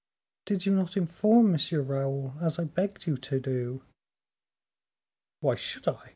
"Did you not inform M. Raoul, as I begged you to do?" "Why should I?